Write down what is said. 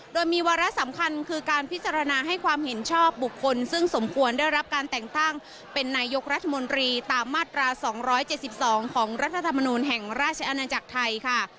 โดยมีวาระสำคัญคือการพิจารณาให้ความเห็นชอบบุคคลซึ่งสมควรได้รับการแต่งตั้งเป็นนายกรัฐมนตรีตามมาตรา๒๗๒ของรัฐธรรมนูลแห่งราชอาณาจักรไทยค่ะ